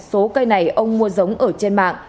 số cây này ông mua giống ở trên mạng